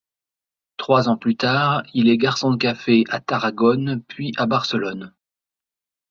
Trois ans plus tard, il est garçon de café à Tarragone, puis à Barcelone.